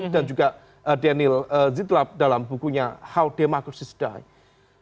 dan juga daniel zidlap dalam bukunya how democracy die